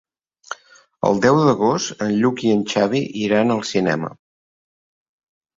El deu d'agost en Lluc i en Xavi iran al cinema.